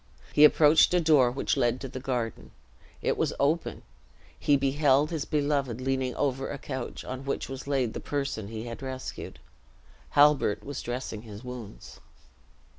He approached a door which led into the garden. It was open. He beheld his beloved leaning over a couch, on which was laid the person he had rescued. Halbert was dressing his wounds.